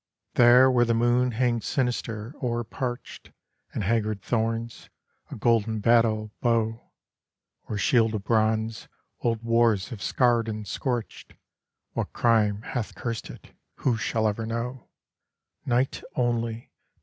II There where the moon hangs sinister, o'er parched And haggard thorns, a golden battle bow, Or shield of bronze, old wars have scarred and scorched, What crime hath cursed it ... who shall ever know? Night only!